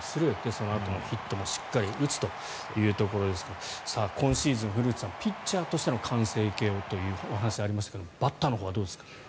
そのあともヒットもしっかり打つというところですが今シーズン古内さんピッチャーとしての完成形をというお話がありましたがバッターのほうはどうですか？